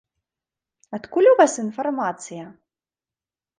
Адкуль у вас інфармацыя?